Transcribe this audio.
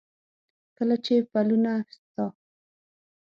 کله چې پلونه ستا،